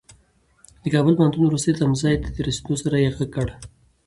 د کابل پوهنتون وروستي تمځای ته د رسېدو سره يې غږ کړ.